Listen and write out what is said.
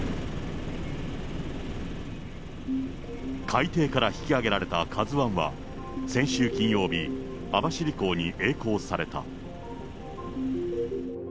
海底から引き揚げられたＫＡＺＵＩは、先週金曜日、網走港にえい航された。